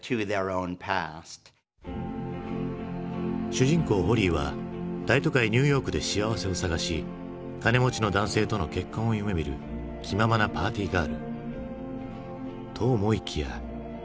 主人公ホリーは大都会ニューヨークで幸せを探し金持ちの男性との結婚を夢みる気ままなパーティーガールと思いきや。